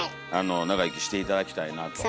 長生きして頂きたいなと。